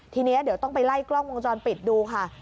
ทีนี้เดี๋ยวต้องไปไล่กล้องวงจรปิดดูค่ะ